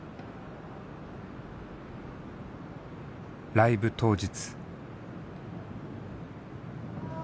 ライブ当日。